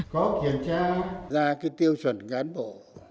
có kiểm tra ra cái tiêu chuẩn cán bộ